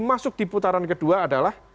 masuk di putaran kedua adalah